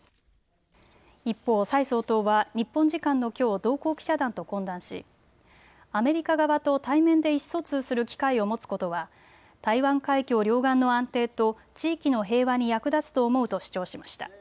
一方、蔡総統は日本時間のきょう同行記者団と懇談しアメリカ側と対面で意思疎通する機会を持つことは台湾海峡両岸の安定と地域の平和に役立つと思うと主張しました。